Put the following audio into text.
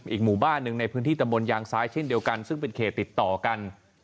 หมู่บ้านหนึ่งในพื้นที่ตำบลยางซ้ายเช่นเดียวกันซึ่งเป็นเขตติดต่อกัน